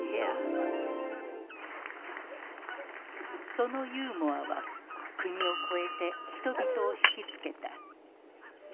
そのユーモアは国を超えて人々を引き付けた。